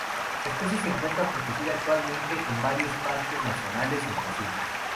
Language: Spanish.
La especie se encuentra protegida actualmente en varios parques nacionales en Brasil.